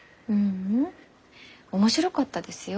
ううん。面白かったですよ。